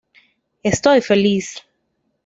Estoy feliz".